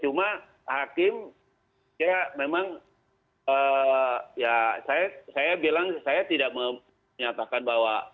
cuma hakim ya memang ya saya bilang saya tidak menyatakan bahwa